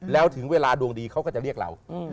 แล้วถึงเวลาดวงดีเขาก็จะเรียกเรา